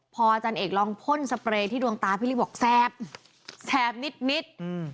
พออาจารย์เอกลองพ่นสเปรย์ที่ดวงตาพี่ลิบอกแซบแสบนิด